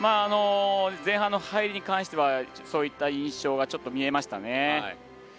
前半の入りに関してはそういった印象が見えましたね。